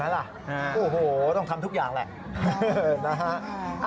อ้าวเห็นไหมล่ะโอ้โหต้องทำทุกอย่างแหละ